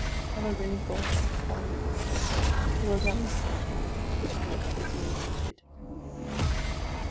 Have I really thought of such folly ?— to throw down the scaffold which I had fatally mounted!